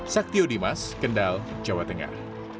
saktio dimas kendal jawa tengah